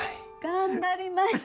頑張りました！